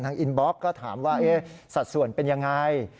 ทางอินบ็อกก็ถามว่าสัตว์ส่วนเป็นอย่างไร